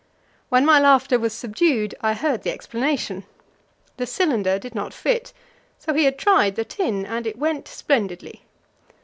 When my laughter was subdued, I heard the explanation. The cylinder did not fit, so he had tried the tin, and it went splendidly.